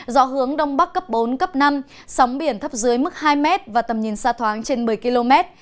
dọ hướng đông bắc cấp bốn cấp năm sóng biển thấp dưới mức hai mét và tầm nhìn xa thoáng trên một mươi km